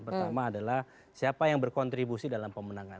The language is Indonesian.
pertama adalah siapa yang berkontribusi dalam pemenangan